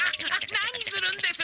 何するんです！